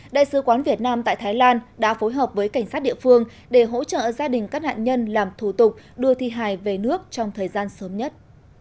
đại sứ quán việt nam tại thái lan đã phối hợp với cảnh sát địa phương để hỗ trợ gia đình các nạn nhân làm thủ tục đưa thi hài về nước trong thời gian sớm nhất